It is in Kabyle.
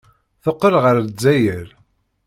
Teqqel ɣer Lezzayer.